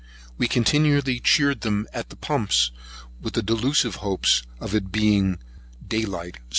We continually cheered them at the pumps with the delusive hopes of its being soon day light.